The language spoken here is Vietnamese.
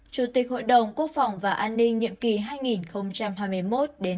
chủ tịch hội đồng quốc phòng và an ninh nhiệm kỳ hai nghìn hai mươi một hai nghìn hai mươi hai